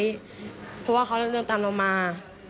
เพราะว่าเขาเดินตามเรามา